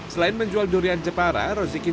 selain menjual durian jepara rozikin